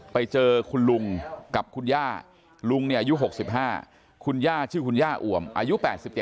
ไปเจอคุณลุงกับคุณย่าลุงอายุ๖๕คุณย่าชื่อคุณย่าอ่วมอายุ๘๗